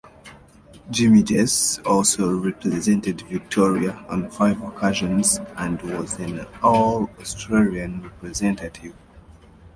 Jim Jess also represented Victoria on five occasions and was an All Australian representative.